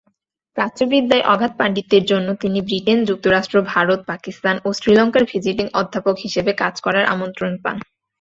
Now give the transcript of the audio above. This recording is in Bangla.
প্রাচ্যবিদ্যায় অগাধ পাণ্ডিত্যের জন্য তিনি ব্রিটেন, যুক্তরাষ্ট্র, ভারত, পাকিস্তান ও শ্রীলঙ্কার ভিজিটিং অধ্যাপক হিসাবে কাজ করার আমন্ত্রণ পান।